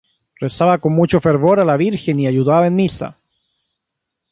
Rezaba con mucho fervor a la Virgen y ayudaba en misa.